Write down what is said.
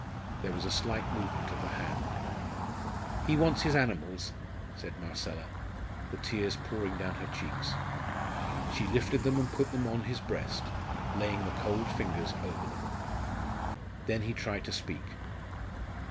There was a slight movement of the hand. "He wants his animals," said Marcella, the tears pouring down her cheeks. She lifted them and put them on his breast, laying the cold fingers over them. Then he tried to speak.